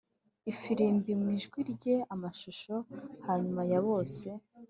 ifirimbi mu ijwi rye. amashusho yanyuma ya bose,